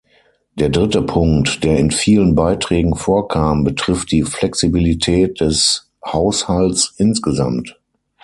Der dritte Punkt, der in vielen Beiträgen vorkam, betrifft die Flexibilität des Haushalts insgesamt.